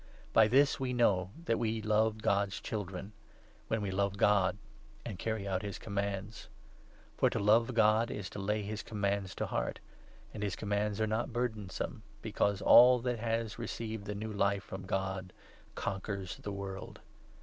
By this 'We know that we love God's Children — when we 2 love God and carry out his commands. For to love God is to 3 lay his commands to heart ; and his commands are not burden some, because all that has received the new Life from God 4 conquers the world.